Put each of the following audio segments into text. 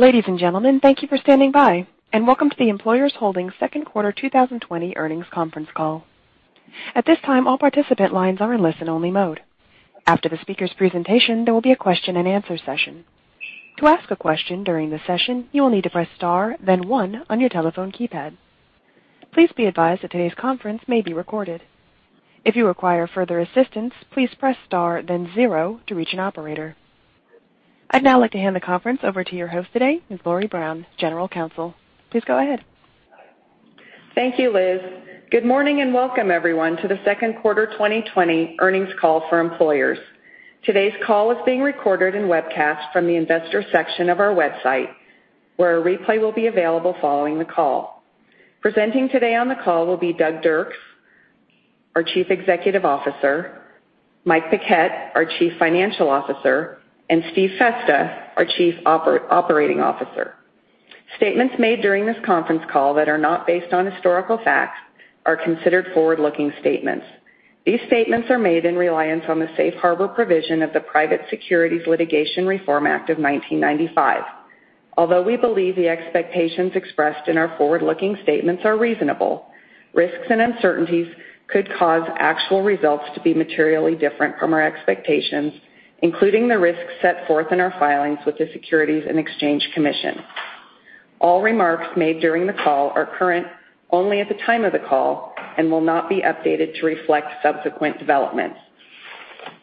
Ladies and gentlemen, thank you for standing by and welcome to the Employers Holdings second quarter 2020 earnings conference call. At this time, all participant lines are in listen-only mode. After the speaker's presentation, there will be a question-and-answer session. To ask a question during the session, you will need to press star then one on your telephone keypad. Please be advised that today's conference may be recorded. If you require further assistance, please press star then zero to reach an operator. I'd now like to hand the conference over to your host today, Ms. Lori Brown, General Counsel. Please go ahead. Thank you, Liz. Good morning and welcome everyone to the second quarter 2020 earnings call for Employers. Today's call is being recorded and webcast from the investors section of our website, where a replay will be available following the call. Presenting today on the call will be Douglas Dirks, our Chief Executive Officer, Mike Paquette, our Chief Financial Officer, and Steve Festa, our Chief Operating Officer. Statements made during this conference call that are not based on historical facts are considered forward-looking statements. These statements are made in reliance on the safe harbor provision of the Private Securities Litigation Reform Act of 1995. Although we believe the expectations expressed in our forward-looking statements are reasonable, risks and uncertainties could cause actual results to be materially different from our expectations, including the risks set forth in our filings with the Securities and Exchange Commission. All remarks made during the call are current only at the time of the call and will not be updated to reflect subsequent developments.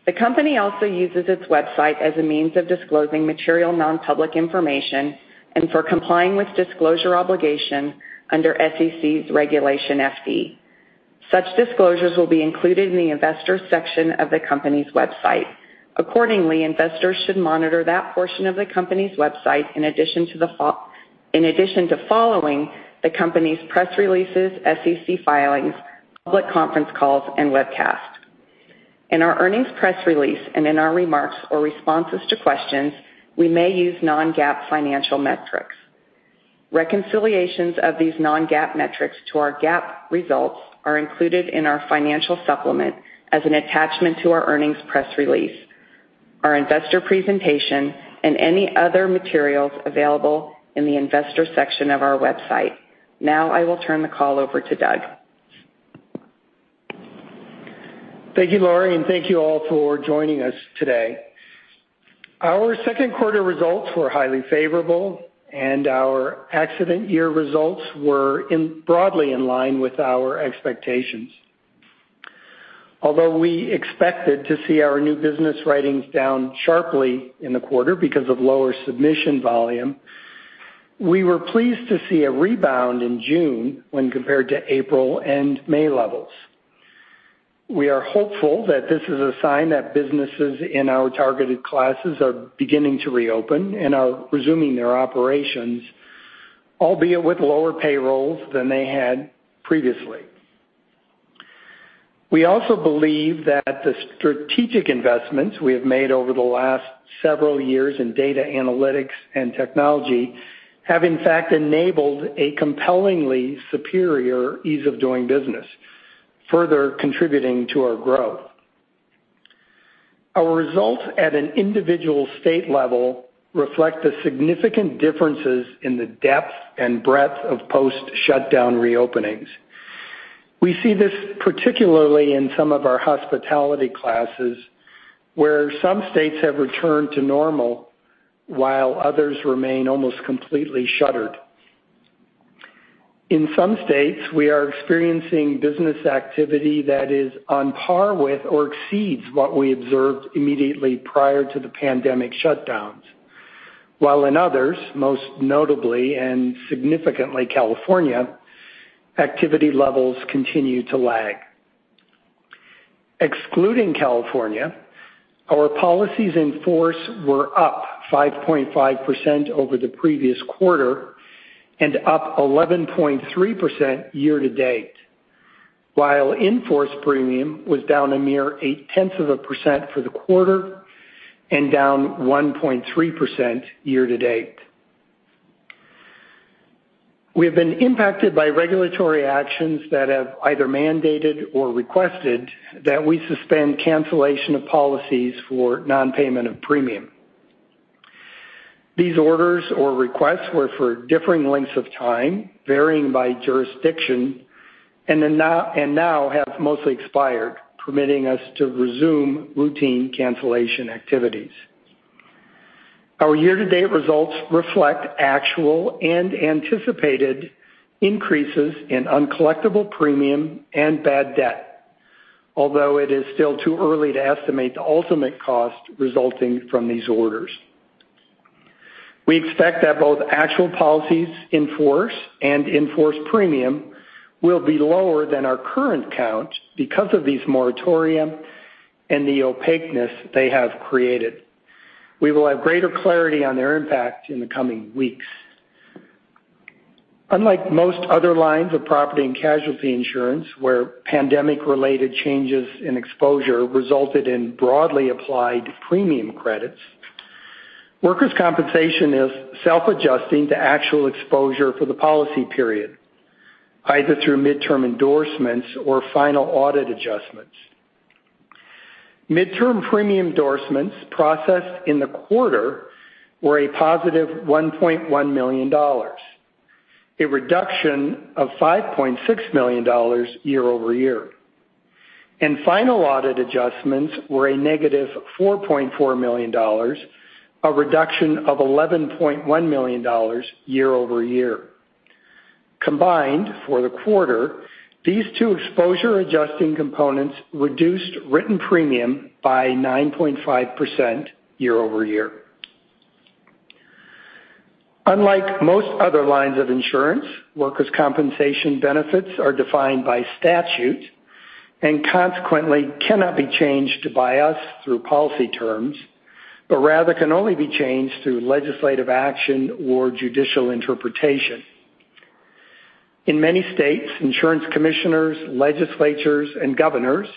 The company also uses its website as a means of disclosing material non-public information and for complying with disclosure obligation under SEC's Regulation FD. Such disclosures will be included in the investors section of the company's website. Accordingly, investors should monitor that portion of the company's website in addition to following the company's press releases, SEC filings, public conference calls, and webcasts. In our earnings press release and in our remarks or responses to questions, we may use non-GAAP financial metrics. Reconciliations of these non-GAAP metrics to our GAAP results are included in our financial supplement as an attachment to our earnings press release, our investor presentation, and any other materials available in the investors section of our website. Now I will turn the call over to Doug. Thank you, Lori, and thank you all for joining us today. Our second quarter results were highly favorable, and our accident year results were broadly in line with our expectations. Although we expected to see our new business writings down sharply in the quarter because of lower submission volume, we were pleased to see a rebound in June when compared to April and May levels. We are hopeful that this is a sign that businesses in our targeted classes are beginning to reopen and are resuming their operations, albeit with lower payrolls than they had previously. We also believe that the strategic investments we have made over the last several years in data analytics and technology have in fact enabled a compellingly superior ease of doing business, further contributing to our growth. Our results at an individual state level reflect the significant differences in the depth and breadth of post-shutdown reopenings. We see this particularly in some of our hospitality classes, where some states have returned to normal while others remain almost completely shuttered. In some states, we are experiencing business activity that is on par with or exceeds what we observed immediately prior to the pandemic shutdowns. While in others, most notably and significantly California, activity levels continue to lag. Excluding California, our policies in force were up 5.5% over the previous quarter and up 11.3% year to date, while in-force premium was down a mere eight-tenths of a % for the quarter and down 1.3% year to date. We have been impacted by regulatory actions that have either mandated or requested that we suspend cancellation of policies for non-payment of premium. These orders or requests were for differing lengths of time, varying by jurisdiction, and now have mostly expired, permitting us to resume routine cancellation activities. Our year-to-date results reflect actual and anticipated increases in uncollectible premium and bad debt, although it is still too early to estimate the ultimate cost resulting from these orders. We expect that both actual policies in force and in-force premium will be lower than our current count because of these moratorium and the opaqueness they have created. We will have greater clarity on their impact in the coming weeks. Unlike most other lines of property and casualty insurance, where pandemic-related changes in exposure resulted in broadly applied premium credits, workers' compensation is self-adjusting to actual exposure for the policy period, either through midterm endorsements or final audit adjustments. Midterm premium endorsements processed in the quarter were a positive $1.1 million, a reduction of $5.6 million year over year. Final audit adjustments were a negative $4.4 million, a reduction of $11.1 million year over year. Combined for the quarter, these two exposure-adjusting components reduced written premium by 9.5% year over year. Unlike most other lines of insurance, workers' compensation benefits are defined by statute, and consequently, cannot be changed by us through policy terms, but rather, can only be changed through legislative action or judicial interpretation. In many states, insurance commissioners, legislatures, and governors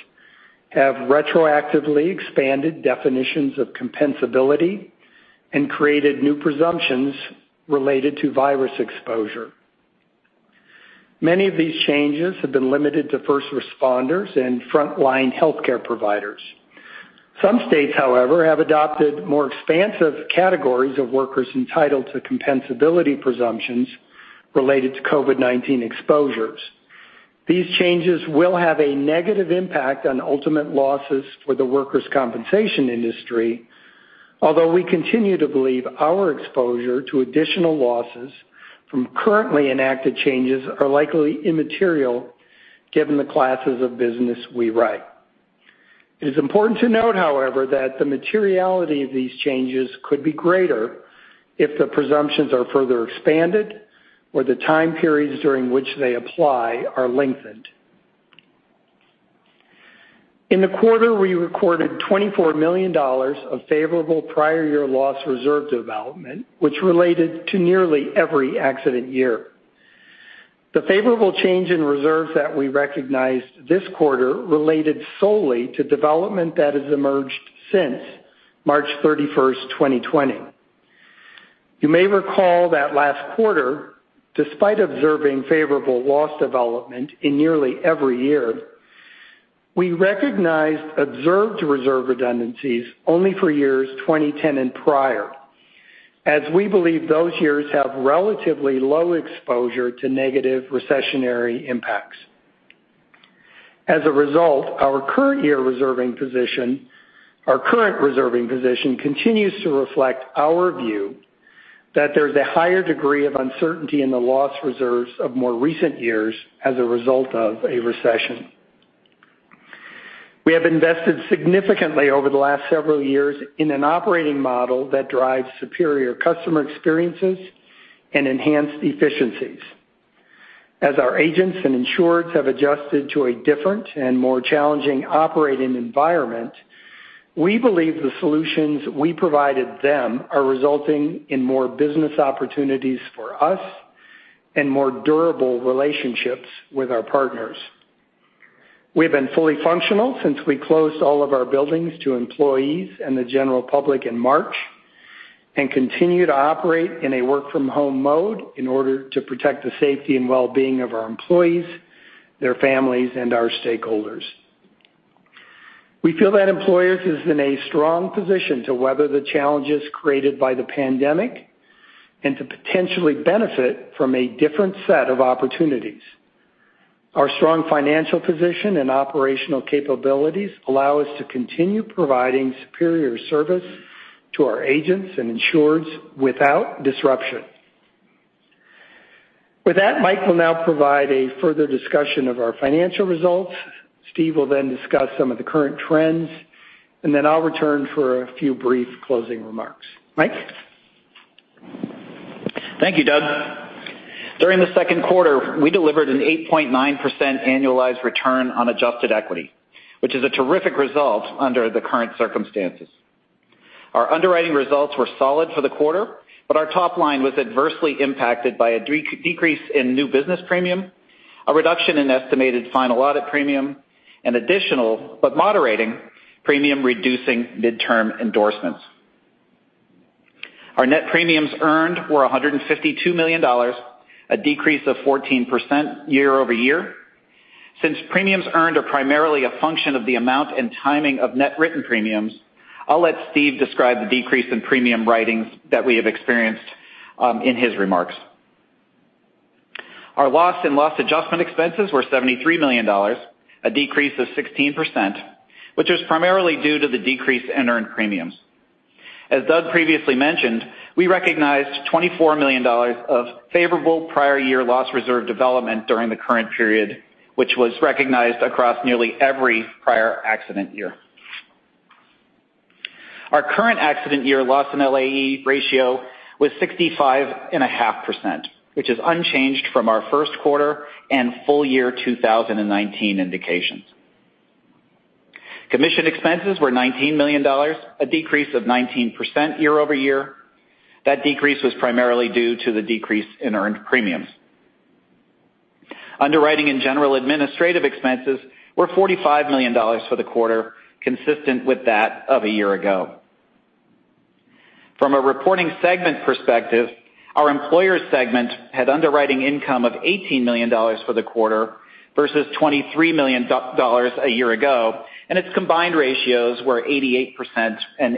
have retroactively expanded definitions of compensability and created new presumptions related to virus exposure. Many of these changes have been limited to first responders and frontline healthcare providers. Some states, however, have adopted more expansive categories of workers entitled to compensability presumptions related to COVID-19 exposures. These changes will have a negative impact on ultimate losses for the workers' compensation industry, although we continue to believe our exposure to additional losses from currently enacted changes are likely immaterial given the classes of business we write. It is important to note, however, that the materiality of these changes could be greater if the presumptions are further expanded or the time periods during which they apply are lengthened. In the quarter, we recorded $24 million of favorable prior year loss reserve development, which related to nearly every accident year. The favorable change in reserves that we recognized this quarter related solely to development that has emerged since March 31st, 2020. You may recall that last quarter, despite observing favorable loss development in nearly every year, we recognized observed reserve redundancies only for years 2010 and prior, as we believe those years have relatively low exposure to negative recessionary impacts. As a result, our current reserving position continues to reflect our view that there's a higher degree of uncertainty in the loss reserves of more recent years as a result of a recession. We have invested significantly over the last several years in an operating model that drives superior customer experiences and enhanced efficiencies. As our agents and insureds have adjusted to a different and more challenging operating environment, we believe the solutions we provided them are resulting in more business opportunities for us and more durable relationships with our partners. We've been fully functional since we closed all of our buildings to employees and the general public in March, continue to operate in a work-from-home mode in order to protect the safety and wellbeing of our employees, their families, and our stakeholders. We feel that Employers is in a strong position to weather the challenges created by the pandemic and to potentially benefit from a different set of opportunities. Our strong financial position and operational capabilities allow us to continue providing superior service to our agents and insureds without disruption. With that, Mike will now provide a further discussion of our financial results. Steve will then discuss some of the current trends, then I'll return for a few brief closing remarks. Mike? Thank you, Doug. During the second quarter, we delivered an 8.9% annualized return on adjusted equity, which is a terrific result under the current circumstances. Our underwriting results were solid for the quarter, Our top line was adversely impacted by a decrease in new business premium, a reduction in estimated final audit premium, additional, but moderating premium-reducing midterm endorsements. Our net premiums earned were $152 million, a decrease of 14% year-over-year. Premiums earned are primarily a function of the amount and timing of net written premiums, I'll let Steve describe the decrease in premium writings that we have experienced in his remarks. Our loss and loss adjustment expenses were $73 million, a decrease of 16%, which was primarily due to the decrease in earned premiums. As Doug previously mentioned, we recognized $24 million of favorable prior year loss reserve development during the current period, which was recognized across nearly every prior accident year. Our current accident year loss and LAE ratio was 65.5%, which is unchanged from our first quarter and full year 2019 indications. Commission expenses were $19 million, a decrease of 19% year-over-year. That decrease was primarily due to the decrease in earned premiums. Underwriting and general administrative expenses were $45 million for the quarter, consistent with that of a year ago. From a reporting segment perspective, our Employers segment had underwriting income of $18 million for the quarter versus $23 million a year ago, and its combined ratios were 88% and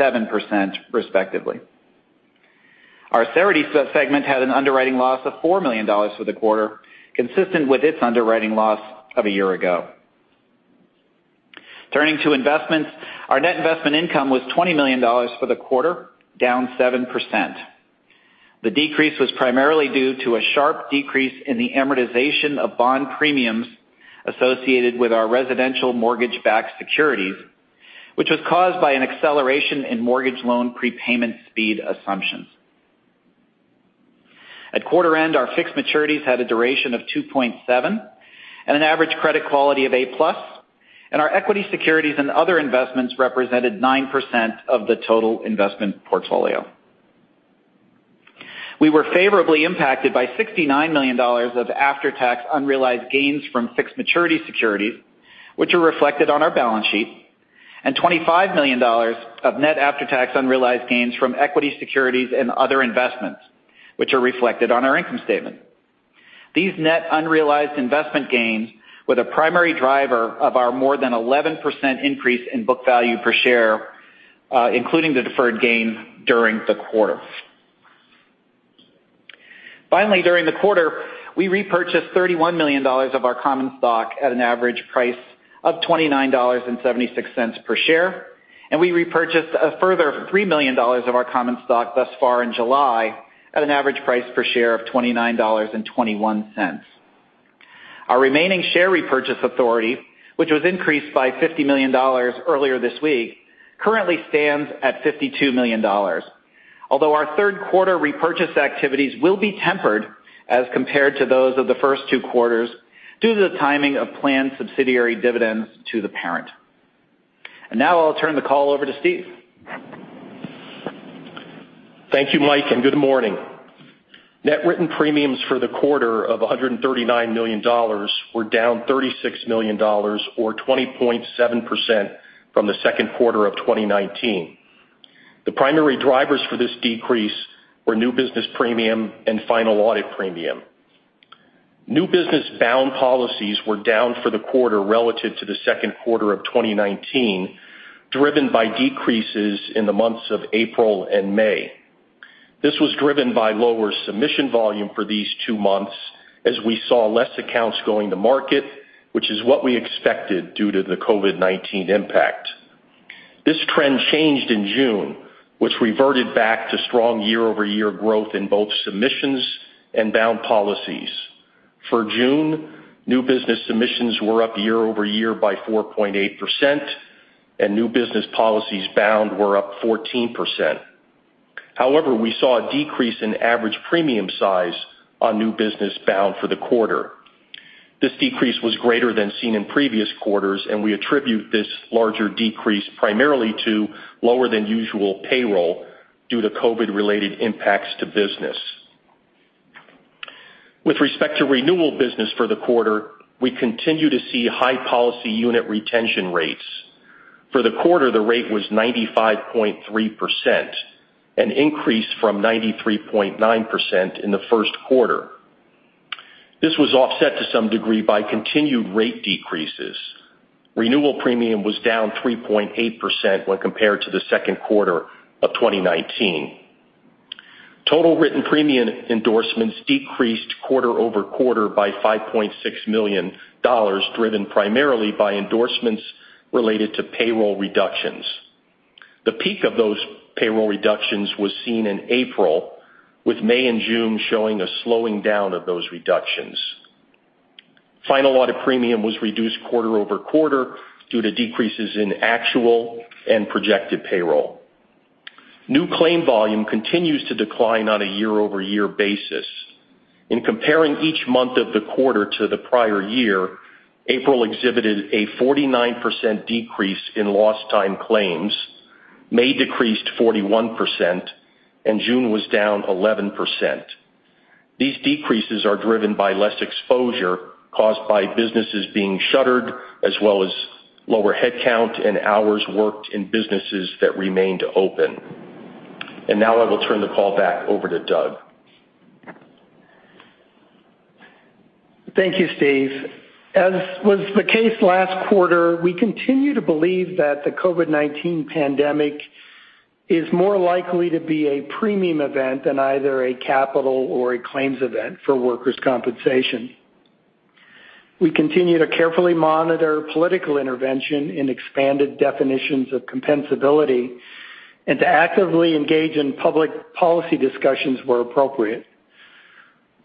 87%, respectively. Our Cerity segment had an underwriting loss of $4 million for the quarter, consistent with its underwriting loss of a year ago. Turning to investments, our net investment income was $20 million for the quarter, down 7%. The decrease was primarily due to a sharp decrease in the amortization of bond premiums associated with our residential mortgage-backed securities, which was caused by an acceleration in mortgage loan prepayment speed assumptions. At quarter end, our fixed maturities had a duration of 2.7 and an average credit quality of A-plus, and our equity securities and other investments represented 9% of the total investment portfolio. We were favorably impacted by $69 million of after-tax unrealized gains from fixed maturity securities, which are reflected on our balance sheet, and $25 million of net after-tax unrealized gains from equity securities and other investments, which are reflected on our income statement. These net unrealized investment gains were the primary driver of our more than 11% increase in book value per share, including the deferred gain during the quarter. Finally, during the quarter, we repurchased $31 million of our common stock at an average price of $29.76 per share. We repurchased a further $3 million of our common stock thus far in July at an average price per share of $29.21. Our remaining share repurchase authority, which was increased by $50 million earlier this week, currently stands at $52 million. Although our third quarter repurchase activities will be tempered as compared to those of the first two quarters due to the timing of planned subsidiary dividends to the parent. Now I'll turn the call over to Steve. Thank you, Mike, and good morning. Net written premiums for the quarter of $139 million were down $36 million, or 20.7%, from the second quarter of 2019. The primary drivers for this decrease were new business premium and final audit premium. New business bound policies were down for the quarter relative to the second quarter of 2019, driven by decreases in the months of April and May. This was driven by lower submission volume for these two months as we saw less accounts going to market, which is what we expected due to the COVID-19 impact. This trend changed in June, which reverted back to strong year-over-year growth in both submissions and bound policies. For June, new business submissions were up year-over-year by 4.8%, and new business policies bound were up 14%. However, we saw a decrease in average premium size on new business bound for the quarter. This decrease was greater than seen in previous quarters, and we attribute this larger decrease primarily to lower than usual payroll due to COVID-related impacts to business. With respect to renewal business for the quarter, we continue to see high policy unit retention rates. For the quarter, the rate was 95.3%, an increase from 93.9% in the first quarter. This was offset to some degree by continued rate decreases. Renewal premium was down 3.8% when compared to the second quarter of 2019. Total written premium endorsements decreased quarter-over-quarter by $5.6 million, driven primarily by endorsements related to payroll reductions. The peak of those payroll reductions was seen in April, with May and June showing a slowing down of those reductions. Final audit premium was reduced quarter-over-quarter due to decreases in actual and projected payroll. New claim volume continues to decline on a year-over-year basis. In comparing each month of the quarter to the prior year, April exhibited a 49% decrease in lost time claims, May decreased 41%, and June was down 11%. These decreases are driven by less exposure caused by businesses being shuttered as well as lower headcount and hours worked in businesses that remained open. Now I will turn the call back over to Doug. Thank you, Steve. As was the case last quarter, we continue to believe that the COVID-19 pandemic is more likely to be a premium event than either a capital or a claims event for workers' compensation. We continue to carefully monitor political intervention in expanded definitions of compensability and to actively engage in public policy discussions where appropriate.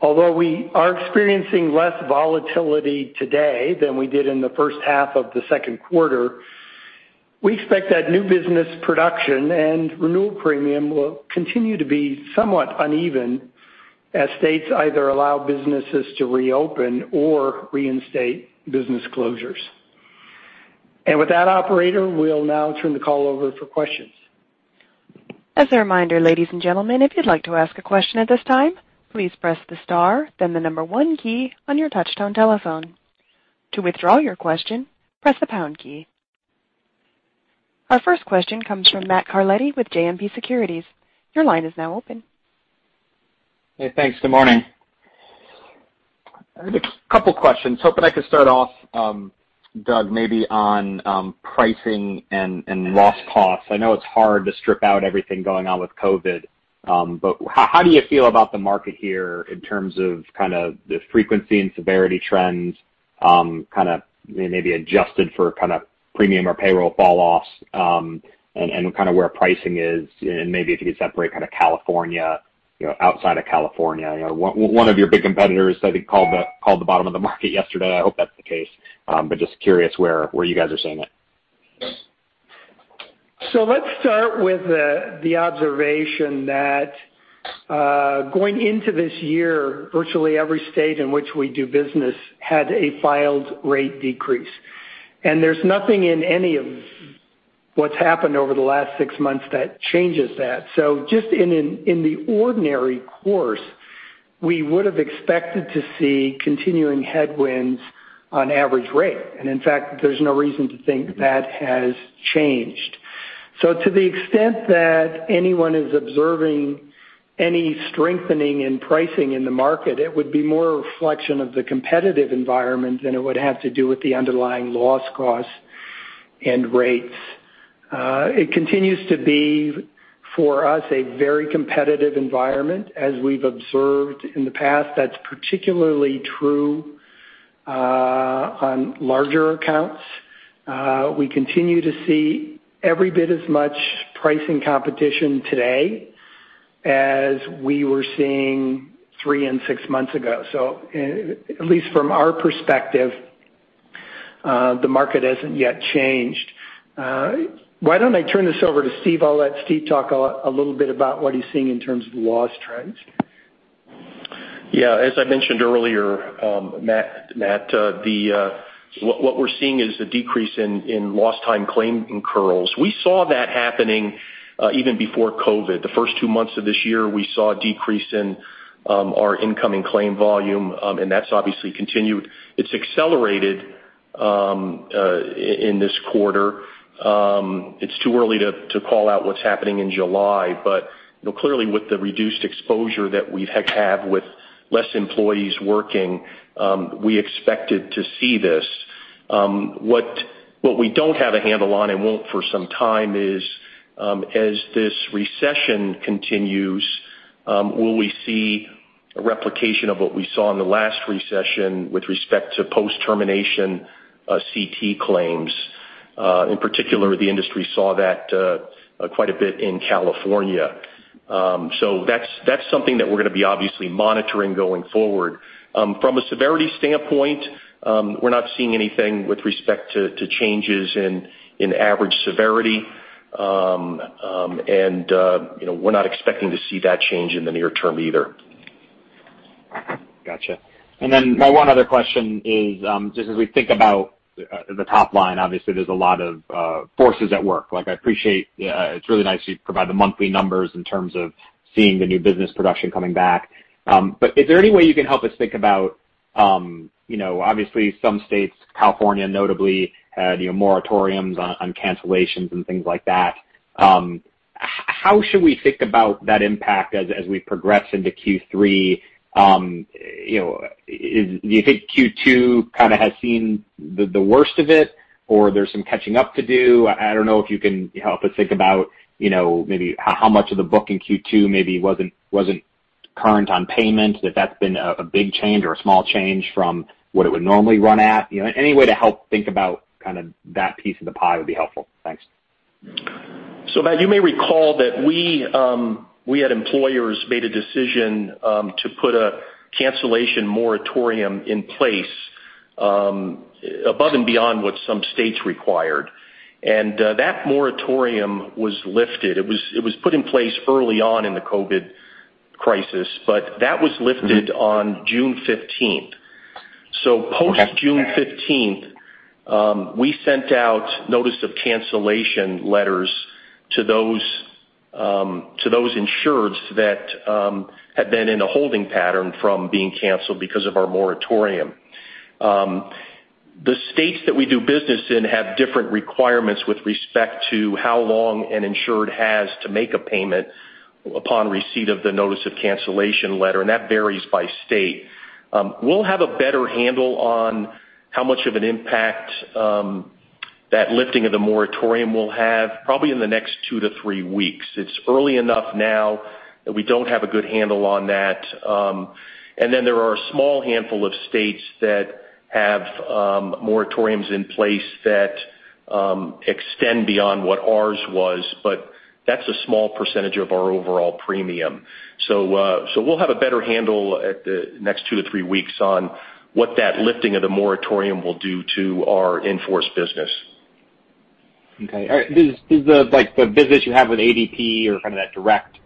Although we are experiencing less volatility today than we did in the first half of the second quarter, we expect that new business production and renewal premium will continue to be somewhat uneven as states either allow businesses to reopen or reinstate business closures. With that, operator, we'll now turn the call over for questions. As a reminder, ladies and gentlemen, if you'd like to ask a question at this time, please press the star, then the number 1 key on your touchtone telephone. To withdraw your question, press the pound key. Our first question comes from Matthew Carletti with JMP Securities. Your line is now open. Hey, thanks. Good morning. I have a couple questions. Hoping I could start off, Doug, maybe on pricing and loss costs. I know it's hard to strip out everything going on with COVID-19, but how do you feel about the market here in terms of the frequency and severity trends, maybe adjusted for premium or payroll falloffs, and where pricing is, and maybe if you could separate California, outside of California. One of your big competitors, I think, called the bottom of the market yesterday. I hope that's the case. Just curious where you guys are seeing it. Let's start with the observation that going into this year, virtually every state in which we do business had a filed rate decrease. There's nothing in any of what's happened over the last six months that changes that. Just in the ordinary course, we would've expected to see continuing headwinds on average rate. In fact, there's no reason to think that has changed. To the extent that anyone is observing any strengthening in pricing in the market, it would be more a reflection of the competitive environment than it would have to do with the underlying loss costs and rates. It continues to be, for us, a very competitive environment. As we've observed in the past, that's particularly true on larger accounts. We continue to see every bit as much pricing competition today as we were seeing three and six months ago. At least from our perspective, the market hasn't yet changed. Why don't I turn this over to Steve? I'll let Steve talk a little bit about what he's seeing in terms of loss trends. As I mentioned earlier, Matt, what we're seeing is the decrease in lost time claim incurs. We saw that happening even before COVID-19. The first two months of this year, we saw a decrease in our incoming claim volume. That's obviously continued. It's accelerated in this quarter. It's too early to call out what's happening in July, but clearly, with the reduced exposure that we have with less employees working, we expected to see this. What we don't have a handle on, and won't for some time is, as this recession continues, will we see a replication of what we saw in the last recession with respect to post-termination CT claims? In particular, the industry saw that quite a bit in California. That's something that we're going to be obviously monitoring going forward. From a severity standpoint, we're not seeing anything with respect to changes in average severity. We're not expecting to see that change in the near term either. Got you. My one other question is, just as we think about the top line, obviously, there's a lot of forces at work. I appreciate, it's really nice that you provide the monthly numbers in terms of seeing the new business production coming back. Is there any way you can help us think about, obviously some states, California notably, had moratoriums on cancellations and things like that. How should we think about that impact as we progress into Q3? Do you think Q2 has seen the worst of it, or there's some catching up to do? I don't know if you can help us think about maybe how much of the book in Q2 maybe wasn't current on payment, if that's been a big change or a small change from what it would normally run at. Any way to help think about that piece of the pie would be helpful. Thanks. Matt, you may recall that we at Employers made a decision to put a cancellation moratorium in place above and beyond what some states required. That moratorium was lifted. It was put in place early on in the COVID-19 crisis, that was lifted on June 15th. Post June 15th, we sent out notice of cancellation letters to those insureds that had been in a holding pattern from being canceled because of our moratorium. The states that we do business in have different requirements with respect to how long an insured has to make a payment upon receipt of the notice of cancellation letter, and that varies by state. We'll have a better handle on how much of an impact that lifting of the moratorium will have probably in the next two to three weeks. It's early enough now that we don't have a good handle on that. There are a small handful of states that have moratoriums in place that extend beyond what ours was, but that's a small percentage of our overall premium. We'll have a better handle at the next two to three weeks on what that lifting of the moratorium will do to our in-force business. Okay. All right. Does the business you have with ADP or that direct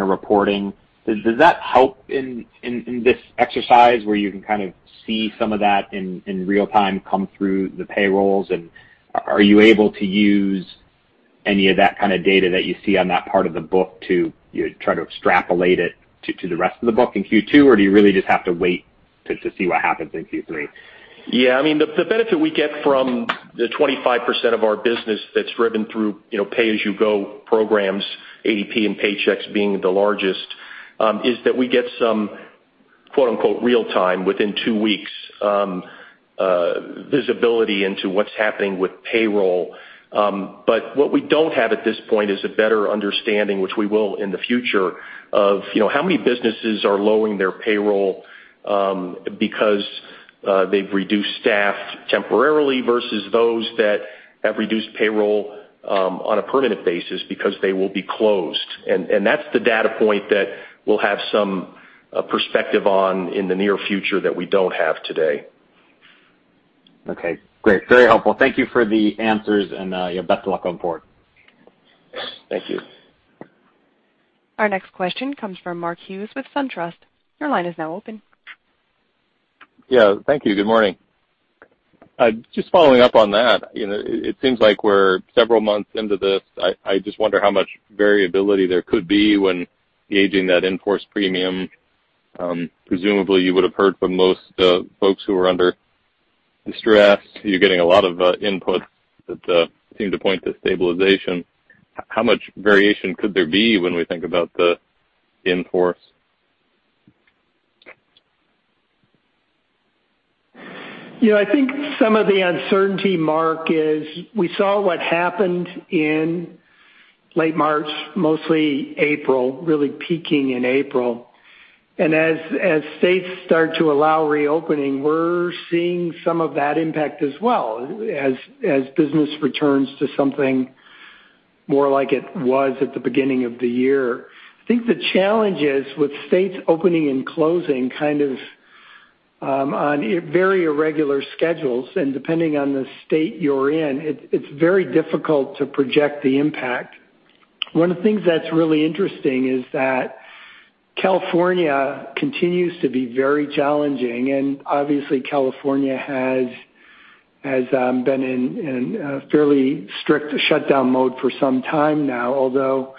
reporting, does that help in this exercise where you can see some of that in real time come through the payrolls? Are you able to use any of that kind of data that you see on that part of the book to try to extrapolate it to the rest of the book in Q2? Do you really just have to wait to see what happens in Q3? Yeah. The benefit we get from the 25% of our business that's driven through pay-as-you-go programs, ADP and Paychex being the largest, is that we get some "real time" within two weeks, visibility into what's happening with payroll. What we don't have at this point is a better understanding, which we will in the future, of how many businesses are lowering their payroll because they've reduced staff temporarily versus those that have reduced payroll on a permanent basis because they will be closed. That's the data point that we'll have some perspective on in the near future that we don't have today. Okay, great. Very helpful. Thank you for the answers and best of luck going forward. Thank you. Our next question comes from Mark Hughes with SunTrust. Your line is now open. Yeah, thank you. Good morning. Just following up on that. It seems like we're several months into this. I just wonder how much variability there could be when gauging that in-force premium. Presumably, you would've heard from most folks who are under distress. You're getting a lot of inputs that seem to point to stabilization. How much variation could there be when we think about the in-force? I think some of the uncertainty, Mark, is we saw what happened in late March, mostly April, really peaking in April. As states start to allow reopening, we're seeing some of that impact as well, as business returns to something more like it was at the beginning of the year. I think the challenge is with states opening and closing on very irregular schedules. Depending on the state you're in, it's very difficult to project the impact. One of the things that's really interesting is that California continues to be very challenging. Obviously, California has been in a fairly strict shutdown mode for some time now, although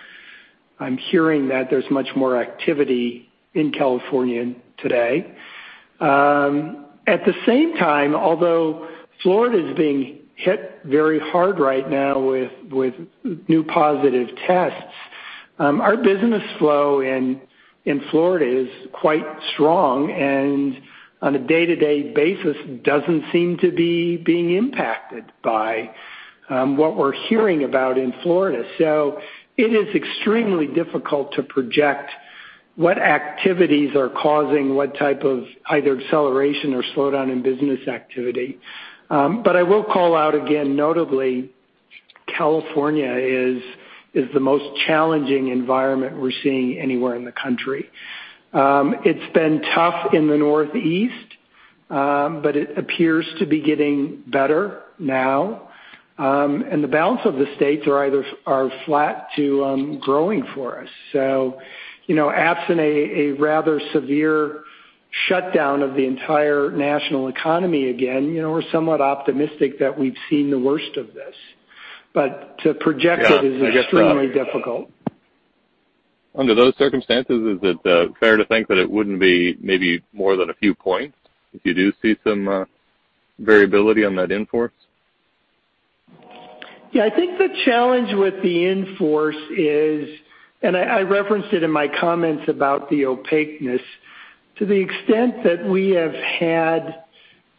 I'm hearing that there's much more activity in California today. At the same time, although Florida's being hit very hard right now with new positive tests, our business flow in Florida is quite strong and on a day-to-day basis, doesn't seem to be being impacted by what we're hearing about in Florida. It is extremely difficult to project what activities are causing what type of either acceleration or slowdown in business activity. I will call out again, notably, California is the most challenging environment we're seeing anywhere in the country. It's been tough in the Northeast, but it appears to be getting better now. The balance of the states are flat to growing for us. Absent a rather severe shutdown of the entire national economy again, we're somewhat optimistic that we've seen the worst of this. To project it is extremely difficult. Under those circumstances, is it fair to think that it wouldn't be maybe more than a few points if you do see some variability on that in-force? I think the challenge with the in-force is, I referenced it in my comments about the opaqueness, to the extent that we have had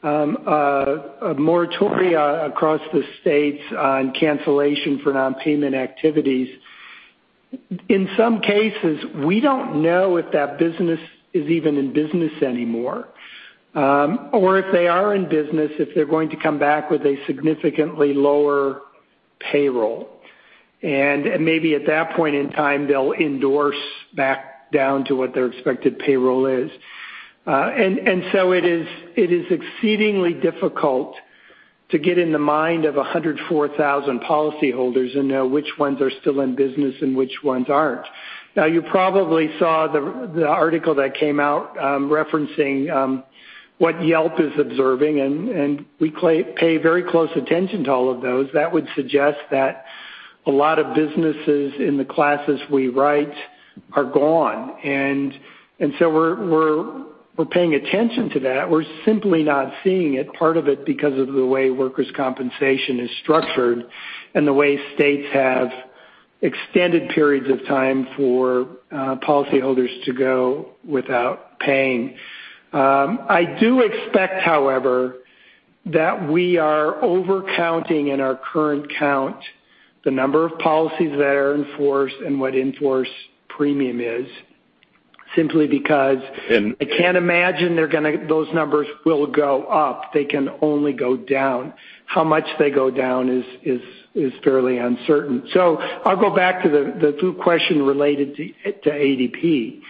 a moratoria across the states on cancellation for non-payment activities. In some cases, we don't know if that business is even in business anymore. If they are in business, if they're going to come back with a significantly lower payroll. Maybe at that point in time, they'll endorse back down to what their expected payroll is. It is exceedingly difficult to get in the mind of 104,000 policyholders and know which ones are still in business and which ones aren't. You probably saw the article that came out referencing what Yelp is observing, and we pay very close attention to all of those. That would suggest that a lot of businesses in the classes we write are gone. We're paying attention to that. We're simply not seeing it, part of it because of the way workers' compensation is structured and the way states have extended periods of time for policyholders to go without paying. I do expect, however, that we are over-counting in our current count, the number of policies that are in force and what in-force premium is, simply because I can't imagine those numbers will go up. They can only go down. How much they go down is fairly uncertain. I'll go back to the question related to ADP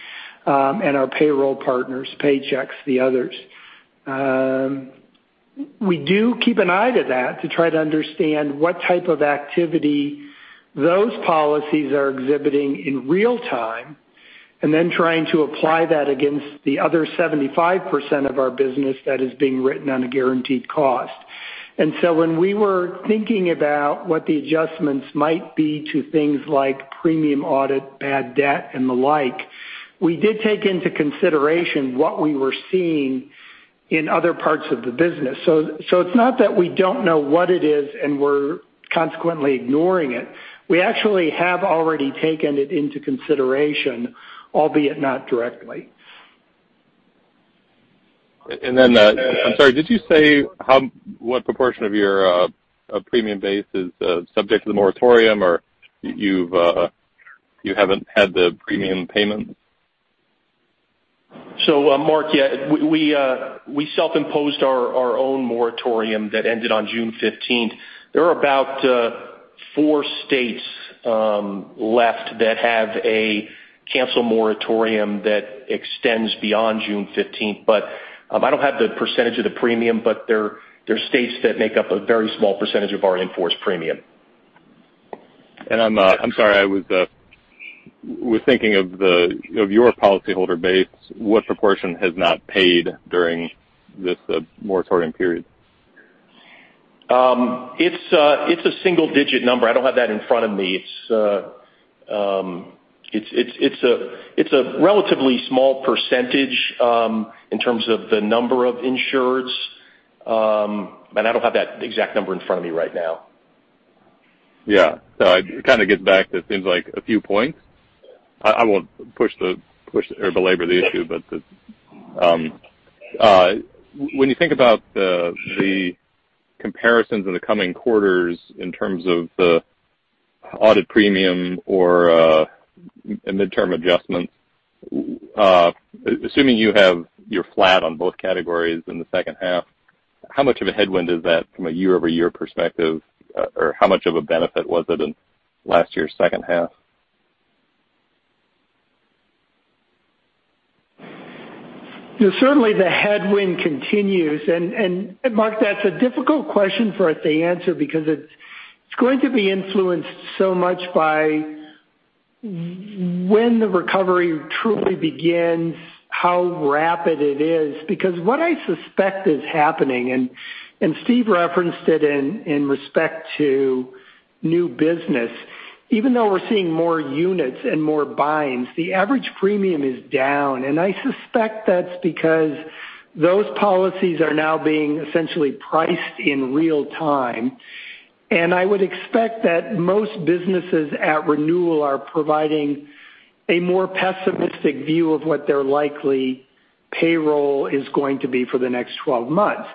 and our payroll partners, Paychex, the others. We do keep an eye to that to try to understand what type of activity those policies are exhibiting in real time. Trying to apply that against the other 75% of our business that is being written on a guaranteed cost. When we were thinking about what the adjustments might be to things like premium audit, bad debt, and the like, we did take into consideration what we were seeing in other parts of the business. It's not that we don't know what it is and we're consequently ignoring it. We actually have already taken it into consideration, albeit not directly. I'm sorry, did you say what proportion of your premium base is subject to the moratorium, or you haven't had the premium payment? Mark, yeah, we self-imposed our own moratorium that ended on June 15th. There are about four states left that have a cancel moratorium that extends beyond June 15th, but I don't have the % of the premium, but they're states that make up a very small % of our in-force premium. I'm sorry, I was thinking of your policy holder base, what proportion has not paid during this moratorium period? It's a single-digit number. I don't have that in front of me. It's a relatively small percentage in terms of the number of insureds. I don't have that exact number in front of me right now. Yeah. I kind of get back to it seems like a few points. I won't belabor the issue. When you think about the comparisons in the coming quarters in terms of the audit premium or midterm endorsements, assuming you have your flat on both categories in the second half, how much of a headwind is that from a year-over-year perspective, or how much of a benefit was it in last year's second half? Certainly, the headwind continues. Mark, that's a difficult question for us to answer because it's going to be influenced so much by when the recovery truly begins, how rapid it is. What I suspect is happening, and Steve referenced it in respect to new business, even though we're seeing more units and more binds, the average premium is down. I suspect that's because those policies are now being essentially priced in real time. I would expect that most businesses at renewal are providing a more pessimistic view of what their likely payroll is going to be for the next 12 months.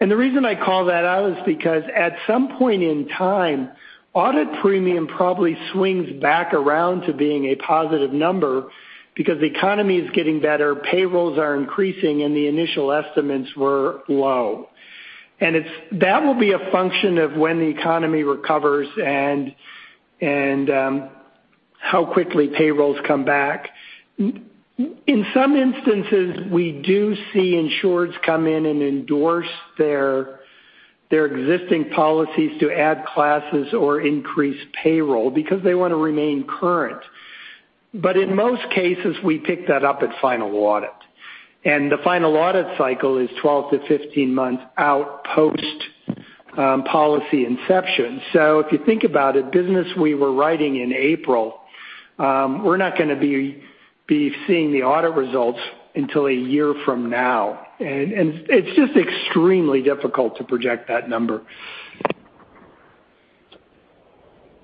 The reason I call that out is because at some point in time, audit premium probably swings back around to being a positive number because the economy is getting better, payrolls are increasing, and the initial estimates were low. That will be a function of when the economy recovers and how quickly payrolls come back. In some instances, we do see insureds come in and endorse their existing policies to add classes or increase payroll because they want to remain current. In most cases, we pick that up at final audit, and the final audit cycle is 12 to 15 months out post policy inception. If you think about it, business we were writing in April, we're not going to be seeing the audit results until a year from now, and it's just extremely difficult to project that number.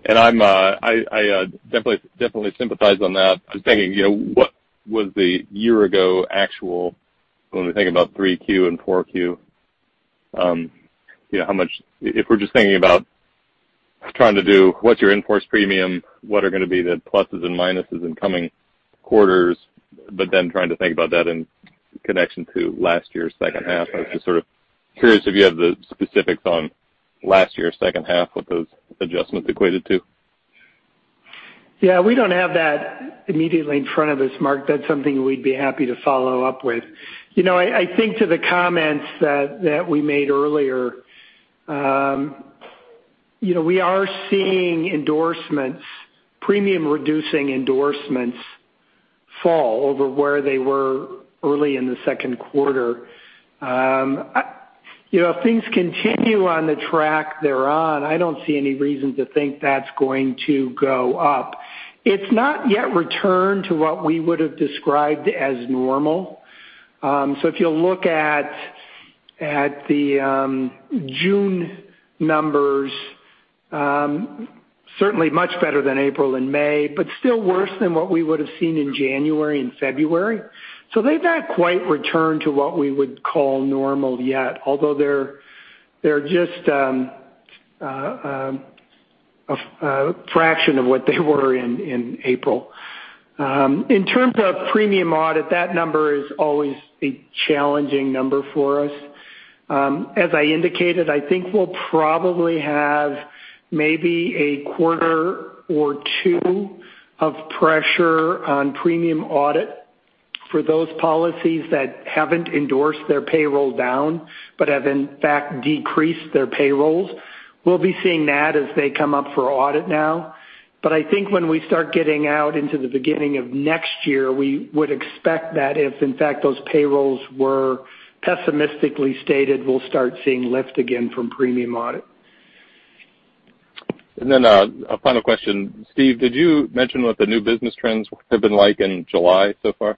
I definitely sympathize on that. I'm thinking, what was the year ago actual when we think about Q3 and Q4, if we're just thinking about trying to do, what's your in-force premium, what are going to be the pluses and minuses in coming quarters, but then trying to think about that in connection to last year's second half. I was just sort of curious if you have the specifics on last year's second half, what those adjustments equated to. We don't have that immediately in front of us, Mark. That's something we'd be happy to follow up with. I think to the comments that we made earlier, we are seeing endorsements, premium-reducing endorsements fall over where they were early in the second quarter. If things continue on the track they're on, I don't see any reason to think that's going to go up. It's not yet returned to what we would've described as normal. If you'll look at the June numbers, certainly much better than April and May, but still worse than what we would've seen in January and February. They've not quite returned to what we would call normal yet, although they're just a fraction of what they were in April. In terms of premium audit, that number is always a challenging number for us. As I indicated, I think we'll probably have maybe a quarter or two of pressure on premium audit. For those policies that haven't endorsed their payroll down, but have in fact decreased their payrolls, we'll be seeing that as they come up for audit now. I think when we start getting out into the beginning of next year, we would expect that if in fact those payrolls were pessimistically stated, we'll start seeing lift again from premium audit. A final question. Steve, did you mention what the new business trends have been like in July so far?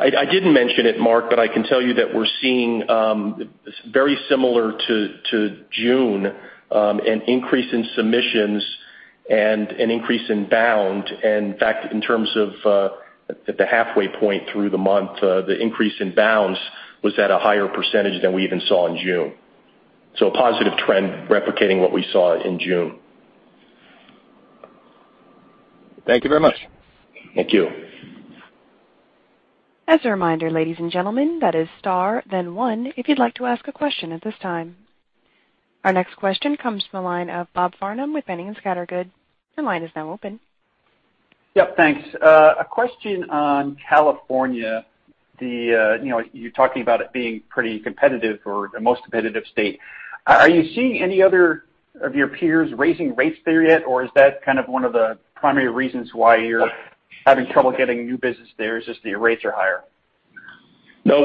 I didn't mention it, Mark, but I can tell you that we're seeing, very similar to June, an increase in submissions and an increase in bound. In fact, in terms of at the halfway point through the month, the increase in bounds was at a higher % than we even saw in June. A positive trend replicating what we saw in June. Thank you very much. Thank you. As a reminder, ladies and gentlemen, that is star then one if you'd like to ask a question at this time. Our next question comes from the line of Bob Farnham with Boenning & Scattergood. Your line is now open. Yep, thanks. A question on California. You're talking about it being pretty competitive or the most competitive state. Are you seeing any other of your peers raising rates there yet? Or is that kind of one of the primary reasons why you're having trouble getting new business there, is just the rates are higher? No,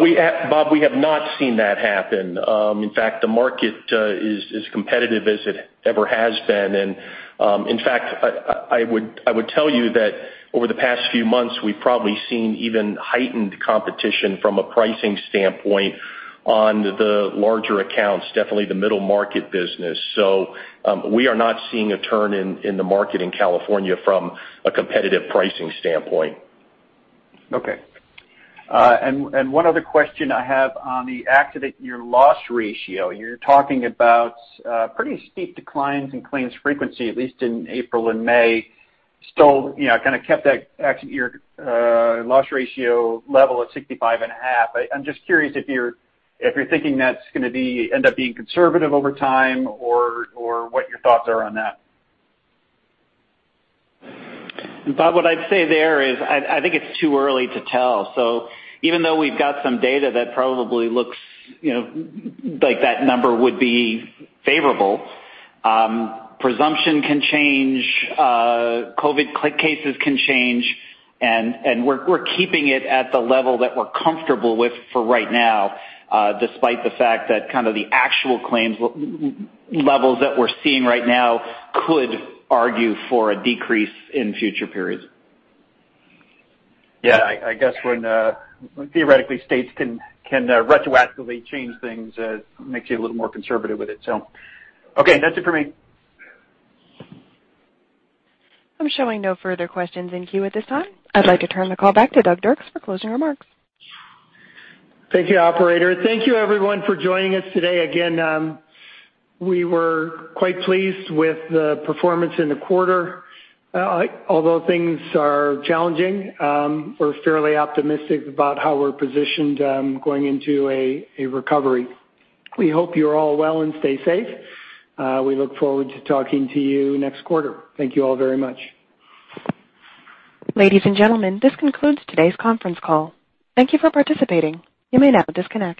Bob, we have not seen that happen. In fact, the market is as competitive as it ever has been. In fact, I would tell you that over the past few months, we've probably seen even heightened competition from a pricing standpoint on the larger accounts, definitely the middle-market business. We are not seeing a turn in the market in California from a competitive pricing standpoint. Okay. One other question I have on the accident year loss ratio. You're talking about pretty steep declines in claims frequency, at least in April and May. Still, kind of kept that accident year loss ratio level at 65 and a half. I'm just curious if you're thinking that's going to end up being conservative over time or what your thoughts are on that. Bob, what I'd say there is, I think it's too early to tell. Even though we've got some data that probably looks like that number would be favorable, presumption can change, COVID cases can change, we're keeping it at the level that we're comfortable with for right now, despite the fact that kind of the actual claims levels that we're seeing right now could argue for a decrease in future periods. Yeah, I guess when theoretically states can retroactively change things, makes you a little more conservative with it. Okay, that's it for me. I'm showing no further questions in queue at this time. I'd like to turn the call back to Douglas Dirks for closing remarks. Thank you, operator. Thank you everyone for joining us today. We were quite pleased with the performance in the quarter. Although things are challenging, we're fairly optimistic about how we're positioned going into a recovery. We hope you're all well and stay safe. We look forward to talking to you next quarter. Thank you all very much. Ladies and gentlemen, this concludes today's conference call. Thank you for participating. You may now disconnect.